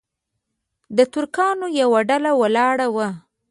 د ترکانو یوه ډله ولاړه وه.